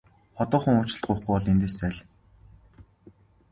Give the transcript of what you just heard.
Одоохон уучлалт гуйхгүй бол эндээс зайл!